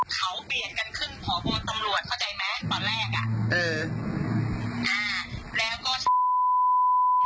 ก็คือว่าคนตำลวจอีก